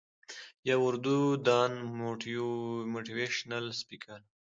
يو اردو دان موټيوېشنل سپيکر